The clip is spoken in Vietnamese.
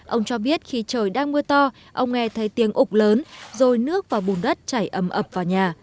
ông cho biết khi trời đang mưa to ông nghe thấy tiếng ục lớn rồi nước và bùn đất chảy ấm ập vào nhà